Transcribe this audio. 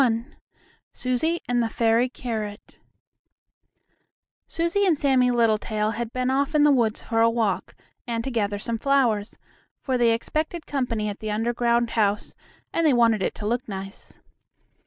XXXI SUSIE AND THE FAIRY CARROT Susie and Sammie Littletail had been off in the woods for a walk, and to gather some flowers, for they expected company at the underground house, and they wanted it to look nice.